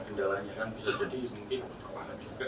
kendalanya kan bisa jadi mungkin tambahan juga